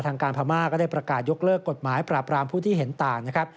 ทางการพม่าก็ได้ประกาศยกเลิกกฎหมายปราบรามผู้ที่เห็นต่างนะครับ